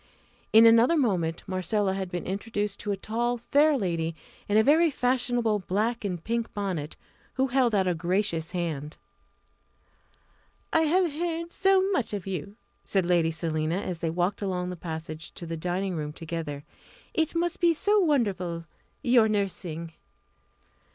In another moment Marcella had been introduced to a tall, fair lady in a very fashionable black and pink bonnet, who held out a gracious hand. "I have heard so much of you!" said Lady Selina, as they walked along the passage to the dining room together. "It must be so wonderful, your nursing!"